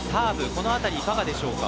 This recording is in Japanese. この辺りいかがでしょうか。